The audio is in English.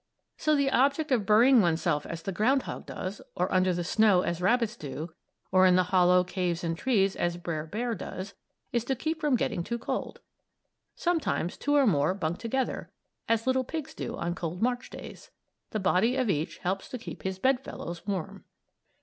So the object of burying one's self as the ground hog does, or under the snow as rabbits do, or in hollow caves and trees as Brer Bear does, is to keep from getting too cold. Sometimes two or more "bunk" together, as little pigs do on cold March days. The body of each helps to keep his bedfellows warm.